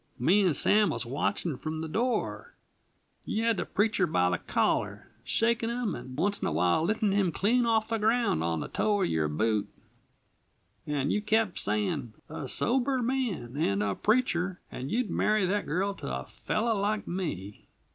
"Me and Sam was watching from the door. You had the preacher by the collar, shakin' him, and once in awhile liftin' him clean off the ground on the toe of your boot; and you kept saying: 'A sober man, and a preacher and you'd marry that girl to a fellow like me!'